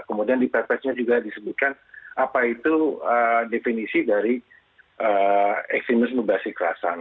kemudian di perspektifnya juga disebutkan apa itu definisi dari ekstrimisme berhasil kerasan